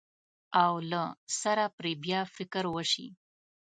او له سره پرې بیا فکر وشي.